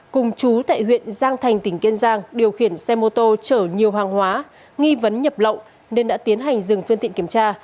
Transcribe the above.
cùng chú tại huyện giang thành tỉnh kiên giang điều khiển xe mô tô chở nhiều hàng hóa nghi vấn nhập lậu nên đã tiến hành dừng phương tiện kiểm tra